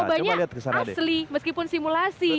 narkobanya asli meskipun simulasi